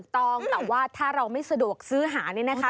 ต้องแต่ว่าถ้าเราไม่สะดวกซื้อหานี่นะคะ